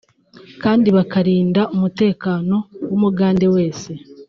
kandi bakarinda umutekano w’umugande wese